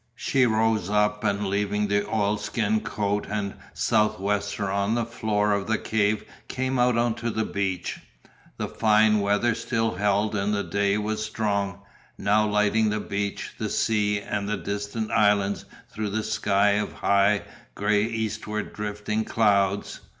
She rose up and leaving the oilskin coat and sou'wester on the floor of the cave came out on to the beach. The fine weather still held and the day was strong, now lighting the beach, the sea, and the distant islands through a sky of high, grey eastward drifting clouds.